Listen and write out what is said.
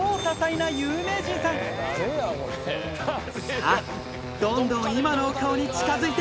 さぁどんどん今のお顔に近づいて